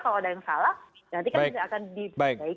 kalau ada yang salah nanti kan bisa akan diperbaiki